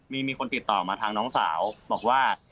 มีคนติดต่อมาทางน้องสาวบอกว่า